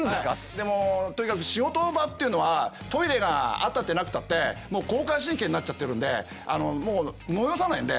でもとにかく仕事場っていうのはトイレがあったってなくたってもう交感神経になっちゃってるんであのもうもよおさないんで。